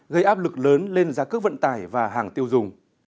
gây áp lực lớn lên giá cước vận tải và hàng tiêu dùng